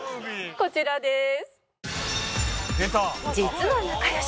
こちらです。